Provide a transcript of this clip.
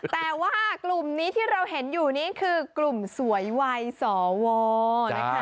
แต่ว่ากลุ่มนี้ที่เราเห็นอยู่นี้คือกลุ่มสวยวัยสวนะคะ